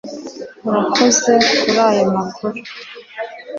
urakoze kuri ayo makuru